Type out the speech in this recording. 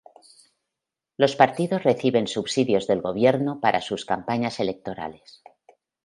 Los partidos reciben subsidios del gobierno para sus campañas electorales.